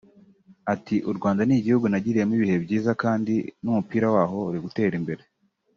Ati “U Rwanda ni igihugu nagiriyemo ibihe byiza kandi n’umupira waho uri gutera imbere